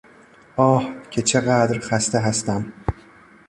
آه که چقدر خسته هستم!